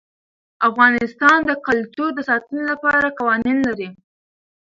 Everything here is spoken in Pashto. افغانستان د کلتور د ساتنې لپاره قوانین لري.